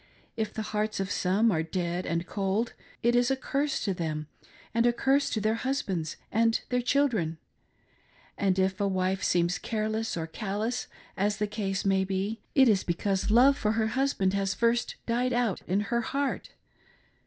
If the hearts of some are dead and cold, it is a curse to them and a curse to their husbands and their children ; and if a wife seems careless or callous, as the case may be, it is because love for her husband has first died out in her heart.